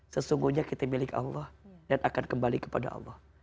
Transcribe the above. sesungguhnya kita milik allah dan akan kembali kepada allah